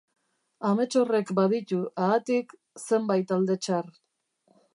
Amets horrek baditu, haatik, zenbait alde txar.